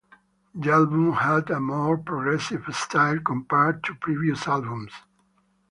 The album had a more progressive style compared to previous albums.